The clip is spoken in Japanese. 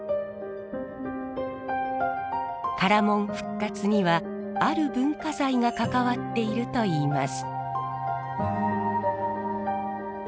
唐門復活にはある文化財が関わっているといいます。